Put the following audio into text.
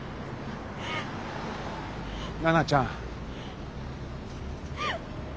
奈々ちゃん。